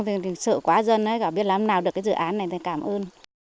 thì sợ quá dân cả biết lắm nào được cái dự án này thì cảm ơn